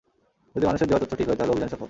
যদি মানুষের দেয়া তথ্য ঠিক হয় তাহলে অভিযান সফল।